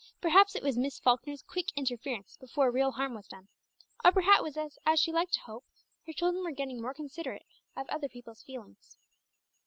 Perhaps it was Miss Falkner's quick interference before real harm was done, or perhaps it was as she liked to hope, her pupils were getting more considerate of other people's feelings.